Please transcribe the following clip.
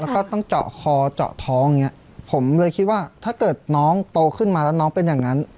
แล้วก็ต้องเจาะคอเจาะท้องอย่างเงี้ยผมเลยคิดว่าถ้าเกิดน้องโตขึ้นมาแล้วน้องเป็นอย่างนั้น